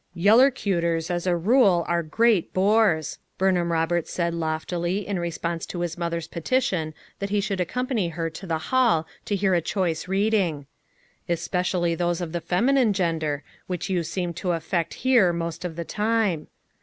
"Yellercutors as a rule are great bores, n Burnham Roberts said loftily in response to his mother's petition that he would accompany her to the hall to hear a choice reading. " Espe cially those of the feminine gender, which you seem to affect here most of the time.